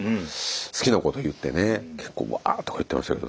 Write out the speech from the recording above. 好きなこと言ってね結構ワーとか言ってましたけど。